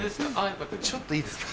ちょっといいですか？